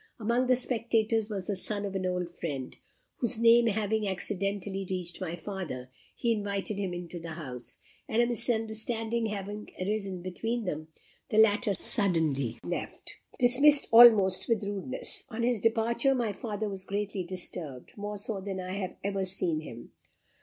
Amongst the spectators was the son of an old friend, whose name having accidentally reached my father, he invited him into the house, and a misunderstanding having arisen between them, the latter suddenly left dismissed almost with rudeness. On his departure, my father was greatly disturbed more so than I have ever seen him.